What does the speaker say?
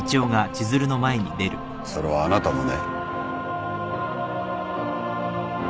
それはあなたもね。